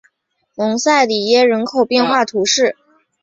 蒙塞里耶人口变化图示